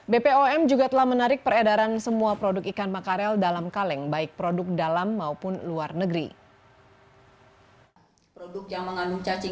bpom juga telah menarik peredaran semua produk ikan makarel dalam kaleng baik produk dalam maupun luar negeri